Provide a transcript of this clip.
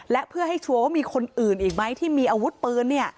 และเพื่อให้ชัวร์ว่ามีคนอื่นอีกไหมที่มีอาวุธปืน